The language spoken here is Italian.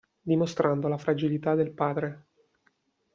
Dimostrando la fragilità del padre.